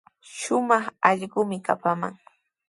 Shumaq allquumi kapaman.